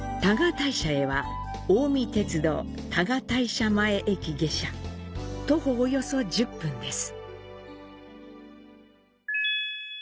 大社へは、近江鉄道「多賀大社前駅」下車、徒歩約１０分です。